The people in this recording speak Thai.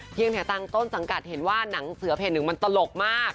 แถวตั้งต้นสังกัดเห็นว่าหนังเสือเพจหนึ่งมันตลกมาก